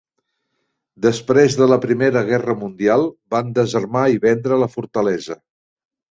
Després de la Primera Guerra Mundial van desarmar i vendre la fortalesa.